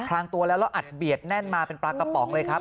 ล้างตัวแล้วแล้วอัดเบียดแน่นมาเป็นปลากระป๋องเลยครับ